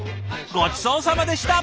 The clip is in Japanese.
ごちそうさまでした！